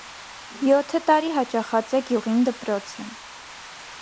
Եօթը տարի յաճախած է գիւղին դպրոցը։